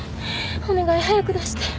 お願い早く出して。